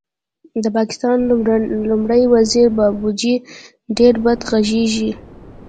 د پاکستان لومړی وزیر بابوجي ډېر بد غږېږي